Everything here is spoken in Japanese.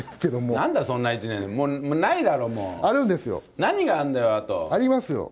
なんだよ、そんな１年って、もうないだろ、もう。何があんだよ、あと！ありますよ。